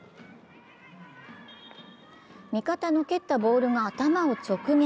味方の蹴ったボールが頭を直撃。